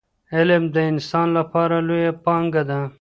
علم د انسان لپاره لویه پانګه ده.